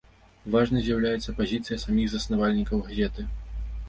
Важнай з'яўляецца пазіцыя саміх заснавальнікаў газеты.